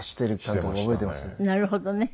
なるほどね。